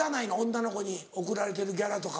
女の子に送られてるギャラとかは。